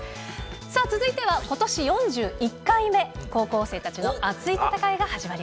さあ、続いてはことし４１回目、高校生たちの熱い戦いが始まり